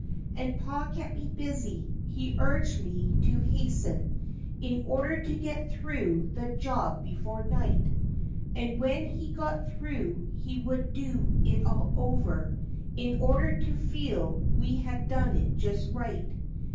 And pa kept me busy; he urged me to hasten in order to get through the job before night, And when he got through he would do it all over, in order to fee! we had done it just right.